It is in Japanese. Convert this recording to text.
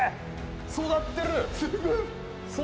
育ってる！